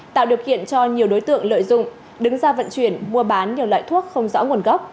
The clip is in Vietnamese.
tạo điều kiện cho nhiều đối tượng lợi dụng đứng ra vận chuyển mua bán nhiều loại thuốc không rõ nguồn gốc